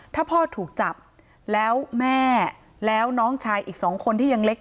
ถ้าพ่อถูกจับแล้วแม่แล้วน้องชายอีก๒คนที่ยังเล็ก